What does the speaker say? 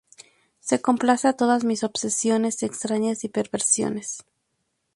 Se complace a todos mis obsesiones extrañas y perversiones.